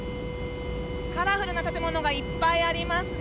カラフルな建物がいっぱいありますね。